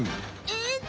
えっ？